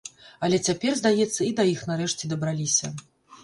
Але цяпер, здаецца, і да іх нарэшце дабраліся.